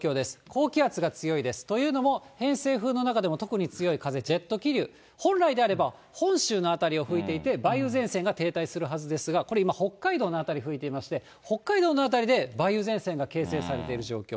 高気圧が強いです。というのも、偏西風の中でも特に強い風、ジェット気流、本来であれば、本州の辺りを吹いていて梅雨前線が停滞するはずですが、これ、今北海道の辺り吹いていまして、北海道の辺りで梅雨前線が形成されている状況。